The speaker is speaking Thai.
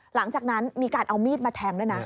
หลังจากนั้นมีการเอามีดมาแทงด้วยนะ